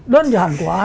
đơn giản quá